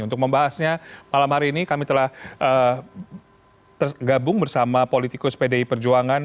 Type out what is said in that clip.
untuk membahasnya malam hari ini kami telah tergabung bersama politikus pdi perjuangan